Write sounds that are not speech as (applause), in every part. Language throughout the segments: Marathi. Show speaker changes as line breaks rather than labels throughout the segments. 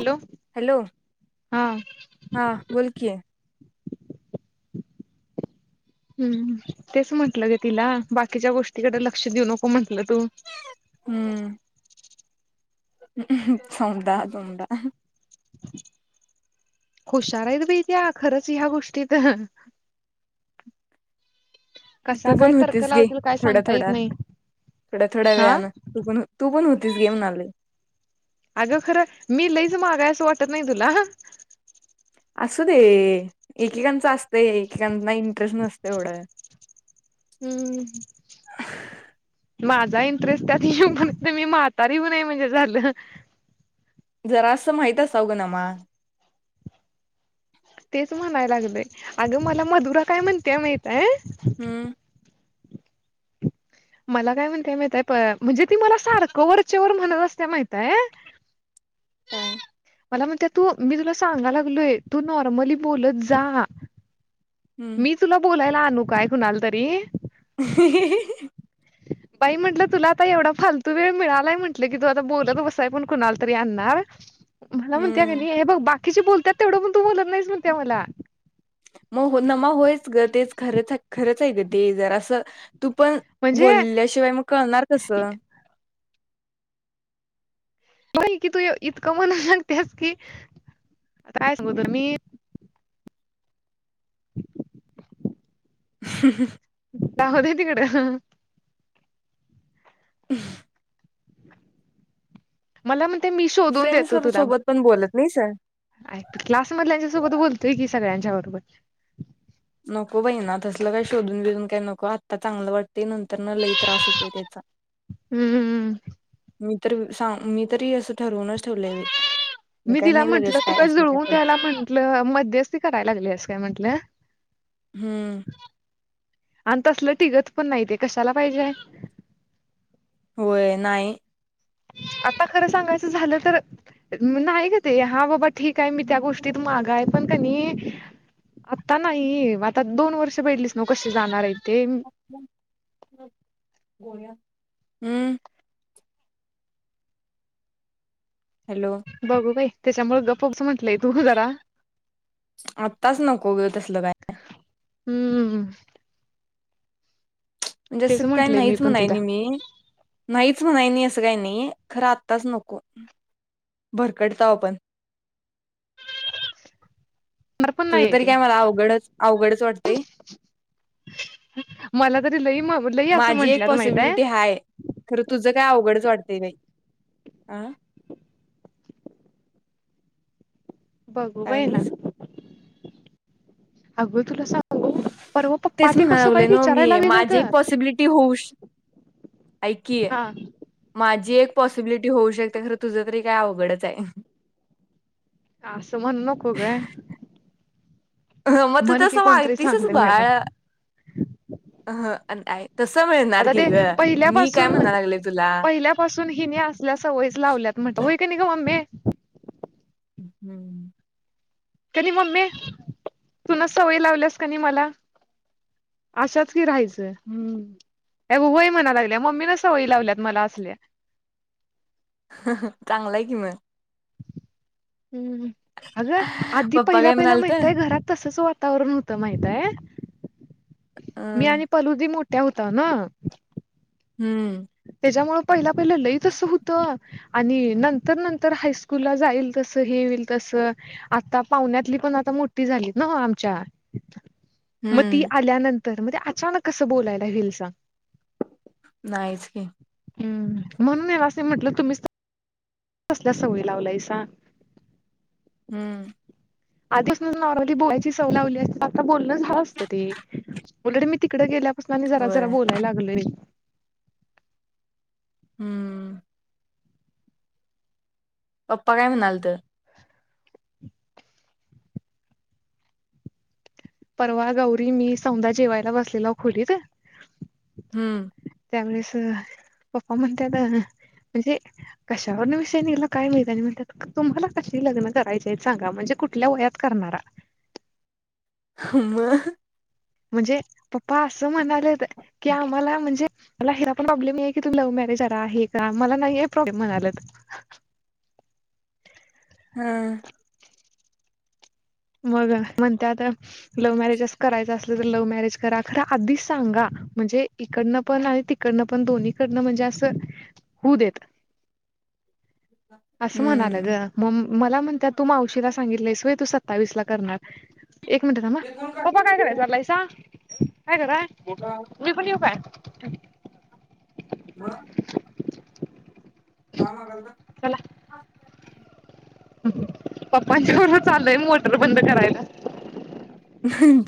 हॅलो
हॅलो
हा
हा बोल की,
हम्म तेच म्हटलं ग तिला बाकीच्या गोष्टीकड लक्ष देऊ नको म्हटल तू
हम्म समडा धमडा
हुशार आहेत बाई त्या खरंच ह्या गोष्टीत कसा
तू
काय
पण
तर्क
होतीस गी
लावतील काय
थोडा
सांगता येत
थोडा
नाही
थोड्या थोड्या
हा
वेळने तू पण तू पण होतीस गे म्हणाले.
अगं खरं मी लईच माग हाय असं वाटत नाय तुला
असू दे. एकेकांच असत एकेकांना इंटरेस्ट नसते एवढं
हम्म माझा इंटरेस्ट त्यात येऊ पर्यंत मी म्हातारी होऊ नये म्हणजे झालं.
जरा असं माहित असावं ग नमा
तेच म्हणाय लागलंय अगं मला मधुरा काय म्हणतेय माहित हाय.
हम्म
मला काय म्हणतेय माहितय प म्हणजे ती मला सारखं वरचेवर म्हणत असते माहिताय (inaudible)
काय?
मला म्हणते तू मी तुला सांगा लागलोय तू नॉर्मली बोलत जा
हम्म
मी तुला बोलायला आणू काय कुणाल तरी
ह
बाई म्हंटलं तुला आता एवढा फालतू वेळ मिळालाय म्हटलं की तू आता बोलत बसाय पण कुणाला तरी आणणार मला म्हणते का
हम्म
नाही हे बघ बाकीचे बोलतात तेवढं पण तू बोलत नाहीस म्हणते मला
मग हो नमा होयच ग तेच खरच खरंच आहे ग ते जर असं तू पण
म्हणजे
बोलल्याशिवाय मग कळणार कस
बा कि तू इतकं मणा सांगतेस की आता कायचग तर मी
ह
जाहतय तिकडे
अ
मला म्हणते मी शोधून
फ्रेंड्स
देतो तुला
सोबत पण बोलत नाहीस
ू क्लासमधल्याच्या सोबत बोलतोय की सगळ्यांच्या बरोबर
नको बही ना तसलं काय शोधून बेधून काय नको आत्ता चांगलं वाटत ते नंतर ना लई त्रास होतोय त्याचा
हम्म
मी तर सां मी तरी असं ठरवूनच ठेवले
मी तिला म्हंटलं तू कास जुळवून त्याला म्हंटलं मध्येच ती करायला लागली अस काय म्हंटलं
हम्म
आणि तसलं टिकत पण नाही ते कशाला पाहिजेय
होय नाही
आता खरं सांगायचं झालं तर नाही ग ते हा बाबा ठीक आहे मी त्या गोष्टीत मागाय पण का आता नाही आता दोन वर्ष भेली मग कसे जाणार आहे ते
हम्म हॅलो
बघू काही त्याच्यामु गप्पस म्हटलंय तू जरा
आत्ताच नको गे तसलं काय
हम्म हम्
म्हणजें काय
म्हंटलंय मी
नाहीच
पण
म्हणाय
तिला
नाही मी नाहीच म्हणा नाही असं काही नाही खरं आत्ताच नको भरकडता पण
णार पण
तुझं
नाही
तरी
ते
काय मला अवघडच अवघडच वाटतेय
मला तरी लई लई असं
माझी एक
म्हंटल्यात माहित आहे
पॉसिबिलिटी हाय खर तुझ काय अवघडच वाटतंय बाई अं
बघू बाय ना अग तुला स
तेच म्हणा लागले न मी
विचारायला गेलं होत
माझी एक पॉसिबिलिटी होऊश ऐकीय
हा
माझी एक पॉसिबिलिटी होऊ शकते खरं तुझं तरी काय अवघडच आहे
असं म्हणू नको ग
ह मग त
म्हण की
तसं
कोणतरी
वागतीसच
सांगते
बाळ
मिळाव
ह आणि
आता ते पहिल्यापासून
म्हणा लागले तुला
पहिल्यापासून हिने असल्या सवयीच लावल्यात म्हणत होई का नाही ग मम्मीे
हम्म
कनी मम्मी तुन सवयी लावल्यास कनी मला अशाच कि राहायचंय हम्म अ वई म्हणा लागल्या मम्मी न सवय लावल्यात मला असल्या
चांलंय कि म
हम्म अगं आधी
पप्पा
पहिला
काय
पहिला
म्हणाल तर
माहितय घरात तसच वातावरण होतं माहितय
अ
मी आणि पलूदी मोठ्या होत ना
हम्म
प पत हाक त आता पाहुण्यातली पण आ मोठी झाली न आमच्या मग ती
हम्म
आल्यानंतर मणजे अचानक कसं बोलायला हिलस
नाहीच की
हम्म म्हणून असे म्हंटलं तुम्हीच सल्या सवयी लावलाय स
हम्म
आधी असून नॉर्मली बोलायची सवय लावली असती आता नॉर्मल बोलणं झालं असतं ते ऑलरेडी मी तिकडे गेल्यापासून आणि जरा
वय
जरा बोलायला लागलो य
हम्म पप्पा काय म्हणाल तर
परवा गौरी मी सौधा जेवायला बसलेल खोलीत
हम्म
त्यावेळेस पप्पा म्हणत्यात म्हणजे कशावर विषय निघाला काय माहीत आणि म्हणतात तुम्हाला कशी लग्न करायचे सांगा म्हणजे कुठल्या वयात करणार
हम
म्हणजे पप्पा असं म्हणाले की आम्हाला म्हणजे मला हिरा पण प्रॉब्लेम ये की तु लव मॅरेज आहे का म नाही प्रॉब्लेम म्हणा
हम
मग मण ते आता लव्ह मॅरेजच करायच अस लव्ह मॅरेज करा खर आधी सांगा म्हणजे इकडन पण आणि तिकडन पण दोन्हीकडं म्हणजे होऊ देत असं म्हणालं
हम्म
ग म मला म्हणतात तू मावशीला सांगितलंसय व्हय सत्तावीस ला करणार एक मिनिट थांब पप्पा काय करायलेट चालायसा काय कराय मी पण येऊ काय
हा कामाग
चला पप्पांच्या बरोबर चाललंय मोटर बंद करायला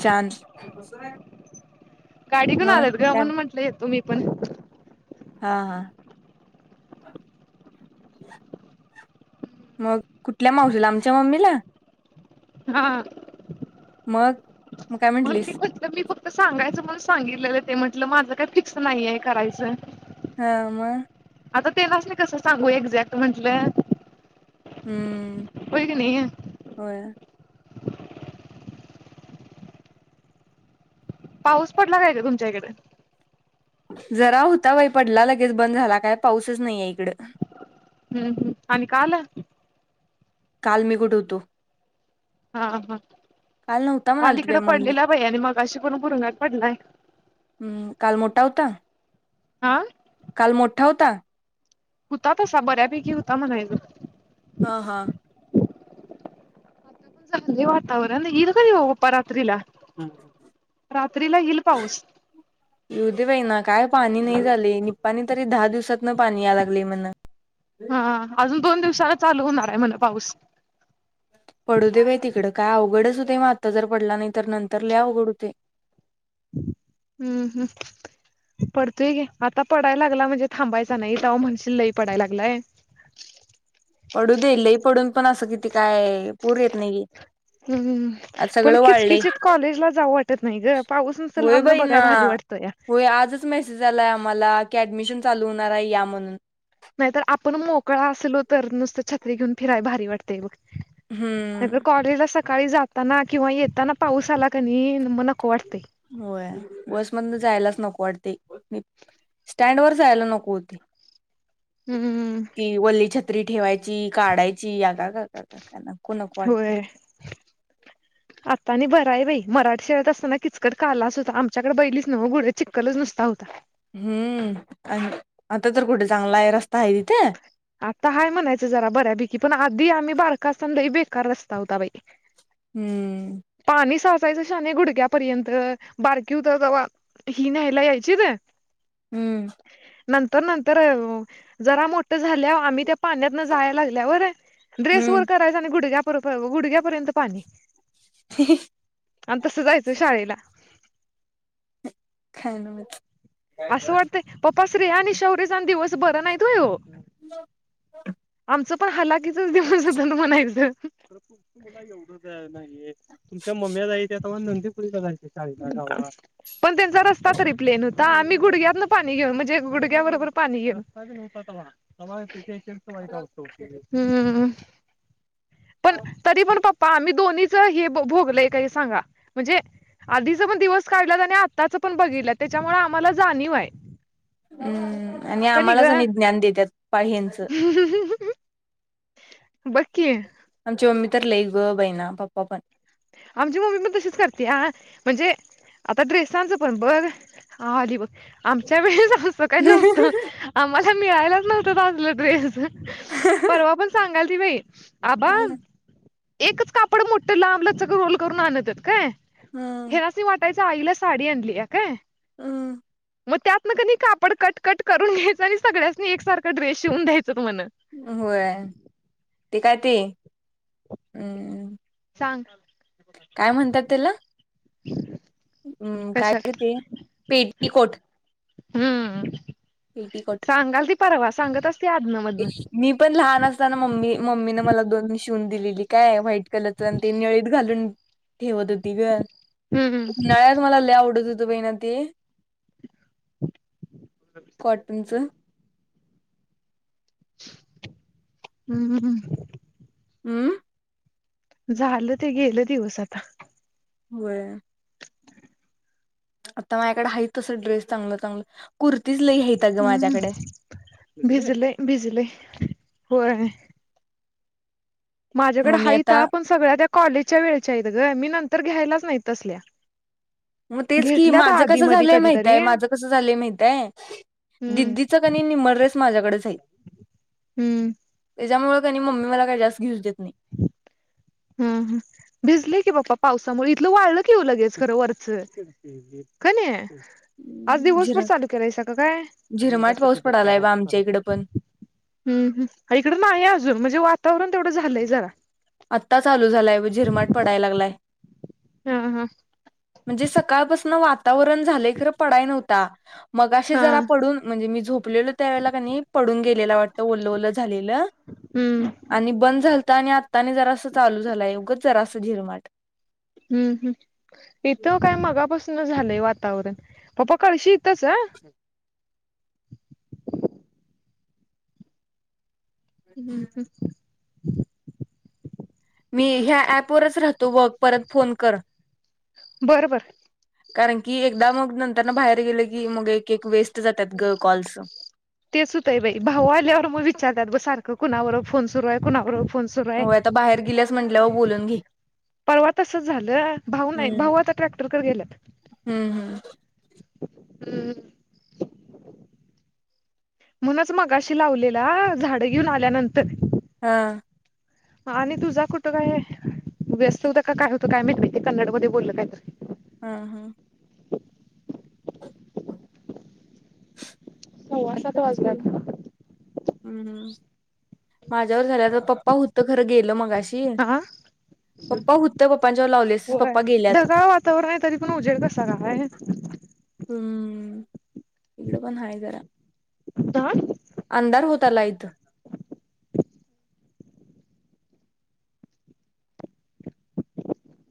चान (unintelligible)
गाडीकण आलत ग म्हण म्हंटलं येतो मी पण
हा हा मग कुठल्या मावशीला आमच्या मम्मीला
हा
मग मग काय
म्हण
म्हंटलीस
म्हटलं मी फक्त सांगायचं म सांगितलेलं ते म्हटलं माझं काही फिक्स नाहीये करायचं
हाम
आता तेलाच नाही कसं सांगू एक्झॅक्ट म्हंटलं
हम्म
होय की नाही
हो
पाऊस पडला काय का तुमच्या इकडे
जरा होता बाई पडला लगेच बंद झाला काय पाऊसच नाही आहे
हम्म आणि काल
काल मी कुठवतो
हा हा
नव्हता म्हणाल
काल इ
तु बाई
कडं
मम्मी
पडलेला बा ई आणि मग अशी करण पुुरुंगात पडलाय
हम्म काल मोठा होता
हा
काल मोठा होता
होता तसा बऱ्यापैकी होता म्हणाय
हा हा
वातावरण इ कावप रात्रीला रात्रीला इल
येऊ दे बाई ना काय पाणी नाही झाले नि पाणी तरी दहा दिवसात कुठनं पानी आणायला लागली म्हन.?
हा अजून दोन दिवसाला चालू होणार आहे म्हण पाऊस.
पडू दे बाई तिकडं काय अवघडच होते मग आत्ता जर पडला नाही तर नंतर ल अवघड होतय.
हम्म हम्म. पडतोय घे आता पडायला लागला म्हणजे थांबायचा नाही तवा म्हणशील लई पडाय लागलाय. रिकामा ऑडिओ
पडू दे लही पडून पण असं किती काय पूर येत नाहीये.
हम्म पण किचकिचत कॉलेजला जाऊ वाटत नाही ग पाऊसच
होय
लांब
बाई ना
बघाय. वाटतं या
होय आजच मेसेज आलाय आम्हाला की ऍडमिशन चालू होणार आहे या म्हणून.
नाहीतर आपण मोकळा असलो तर नुसतं छत्री घेऊन फिराय भारी वाटते बघ. नय तर
हम्म
कॉलेज ला चल सकाळी जाताना किंवा येताना पाऊस आला क नाही मग नको वाटतय.
होय बया बसमधन जायालाच नको वाटतेय. स्टँड वर जायला नकोती.
हम्म.
्री ठेवायची काढायची. कागा कागा का ना नको नको वाटती.
होय राय बाई मराठी शाळेत असताना किचकट का आलाच होता आमच्याकडे बैलीच न्ह गुड्या चिककलच नसता होता.
हम्म आणि आता तर कुठे चांगला आहे रस्ता आहे तिथे.
आता हय म्हणायचं जरा बऱ्यापैकी पण आधी आम्ही बारका असताना लयी बेकार होता बाई.
हम्म.
जायच शाने गुडक्यापर्यंत बारकी उ तर जव ही न्यायला यायची ना.
हम्म
नंतर नंतर जरा मोठ झाल्या आम्ही त्या पाण्यातन जाय लागल्या वर ड्रेस
हम्म
वर करायचा आणि गुडघ्याप गुडघ्यापर्यंत पाणी.
रिकामा ऑडिओ
आणि तसं जायचं शाळेला.
(unintelligible)
असं वाटतंय पप्पा श्र्रीया आणि शौर्यचा दिवस बरं नाही त होय ओ.
मग.
जप हलकीचचं दिवस हाईत म्हणायचं. (inaudible) पण त्यांचा रस्ता तरी प्लेन आ म्ही गुडग्यातन पाणी घेऊन म्हणजे गुडघ्या बरोबर पाणी घेऊन.. हं.. पण तरी पण पप्पा आम्ही दोन्हीच हे भोगलय काही सांगा म्हणजे.. आधीच पण दिवस काढलात आणि आत्ताचं पण बघितलं त्याच्यामुळे आम्हाला जाणीव आहे.
हम्म आणि
का नाही
आम्हालाच आणि
ग
ज्ञान देतात ह्यांचं.
बघ कीं
आमची मम्मी तर लई व बैना पप्पा पण.
आमची मम्मी पण तशीच करते ह म्हणजे.. आता ड्रेसांचं पण बघ हली बघ आमच्या वेळेला.... असं काही नव्हतं आम्हाला मिळायलाच नव्हतं, असलं ड्रेस. परवा पण सांगाल ती बाई आबा..
हम्म
एकच कापड मोठं लांबलं च रोल करून आणत काय? हे
हम्म
असे वाटच... ताईला साडी आणलीय काय?
हमं.
मग त्यात मग क कापड कट कट करून घ्यायचं आणि सगळ्यासनी एकसारख ड्रेस शिवून घ्यायच
होय ते कायती? हं
सांग
काय म्हणतात त्याला?
रिकामा ऑडिओ
हम्म काय ग ते पेटीकोट.
हम्म.
पेटिकोट.
सांगाल ती परवा सांगत. आधनं मधनं
मी पण लहान असताना मम्मी मम्मीने मला दोन शिवून दिलेली काय व्हॉइट. कलरचे ते निळीत घालून ठेवत होती ग
हम्म
उन्हाळ्यात मला लय आवडत. ना ते कॉटनच.
हम्म.
हम्म.
झालं ते गेलं दिवस आता.
व्हय. आता माझ्याकड हैत अस ड्रेस चांगलं चागलं.
हम्म भिजलय भिजलय होय. माझ्याकडे
मग मी
हाइता
आता
पण सगळ्या त्या. कॉलेजच्या वेळच्या आहीत ग मी नंतर घ्यायलाच नाही तसल्या.
मग तेच की
घेतल्यात
माझं
आधी
कसं
मधी
झालंय
कधीतरी
माहितय
हम्म
माझं कसं झालंय माहितय. दिदीच कणी निम्म ड्रेस माझ्याकडेच आहेत.
हम्म
त्यांच्यामुळे कणी मम्मी मला काय जास्त घेउच देत. नाही.
हम्म हम्म हम्म भिजलय की पप्पा पावसामुळे इथल वाळल की वो लगेच वरच. कणी. आज दिवसभर
झिर
चालू केलाय सा का काय? मग
झिरमाट पाऊस
बघ चार
पडालाय बा
वाजता
आमच्या
चालू.
इकडं पण
हम्म हम्म इकडं नाही अजून म्हणजे वातावरण तेवढं झालंय जरा.
आत्ता चालू झालाय झिरमाट पडाय लागलाय.
हा हा.
म्हणजे सकाळपासून वातावरण झालय खरं पडाय नव्हत. ता. मगाशी
हा
जरा पडून म्हणजे मी झोपलेलो त्या वेळेला कणी पडून गेलेला वाटत ओल ओलं झालेलं.
हम्म
आणि बंद झालत आणि आ. जरास चालू झालाय उगच जरास झिरमाट.
हम्म हम्म इथं काय मगापासून. झालंय वातावरण पप्पा कळशी इतच ह. हम्म हम्म.
मी ह्या ऍपवरच राहतो बघ परत फोन कर.
बर बर.
कारण की एकदा मग नंतरन बाहेर गेलं की मग एक एक वेस्ट जातात गं कॉल्स.
तेच होतय बाई भाऊ आल्यावर मग विचारतात बग सारखं कुणाबरोबर फोन सुरू आहे कुणा बरोबर फो.
हो आता बाहेर गेल्यास म्हटल्यावर बोलून घे.
परवा तसच झालं भाऊ नाही
हम्म
भाऊ आता ट्रॅक्टर कर गेल्यात.
हम्म हम्म.
हम्म. म्हणूनच मगाशी लावलेला झाड घेऊन आल्यानंतर.
हा.
आणि तुझा कुठं काय व्यस्त होत का काय होतं काय माहित बाई ते कन्नड मध्ये बोललं काय तर.
हा हा.
(inaudible) हो सव्वा सात
आताच करू
वाजल्यात.
हम्म माझ्यावर झाल्या तर पप्पा होत खरं गेलं मगाशी.
आ
पप्पा होतं पप्पांच्यावर लावलेस
होय
पप्पा गेल्यात
ढगाळ वातावरण आहे तरी पण उजेड कसा काय
हम्म इकड पण हाय जरा.
तर.
अंधार होत आलाय इथं